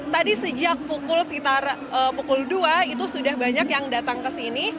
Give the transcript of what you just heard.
tadi sejak pukul sekitar pukul dua itu sudah banyak yang datang ke sini